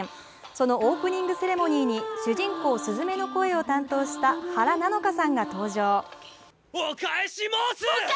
そのオープニングセレモニーに主人公・すずめの声を担当した原菜乃華さんが登場。